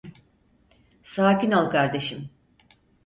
Sakin ol kardeşim.